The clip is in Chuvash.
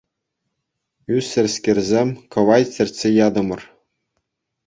Ӳсӗрскерсем кӑвайт чӗртсе ятӑмӑр.